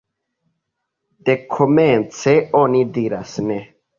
Dekomence, oni diras Ne!